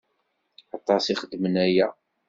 Aṭas i xeddmen aya.